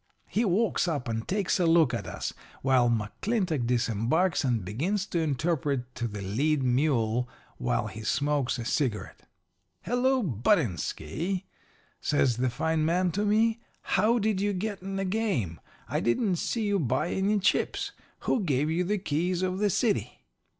"He walks up and takes a look at us, while McClintock disembarks and begins to interpret to the lead mule while he smokes a cigarette. "'Hello, Buttinsky,' says the fine man to me. 'How did you get in the game? I didn't see you buy any chips. Who gave you the keys of the city?'